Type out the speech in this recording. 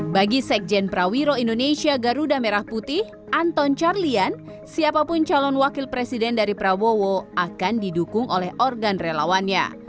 bagi sekjen prawiro indonesia garuda merah putih anton carlian siapapun calon wakil presiden dari prabowo akan didukung oleh organ relawannya